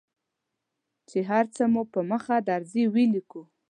چې هر څه مو په مخه درځي ولیکو.